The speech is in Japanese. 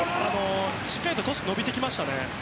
しっかりトスが伸びてきました。